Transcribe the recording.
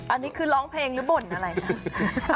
อันนี้คือร้องเพลงหรือบ่นอะไรนะ